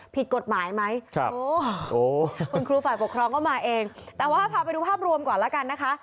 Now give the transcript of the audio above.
ผิดกฎหมายไหมคุณครูฝ่ายปกครองก็มาเองแต่ว่าพาไปดูภาพรวมก่อนแล้วกันนะคะ